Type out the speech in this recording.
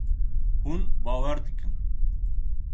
Hûn bawer dikin.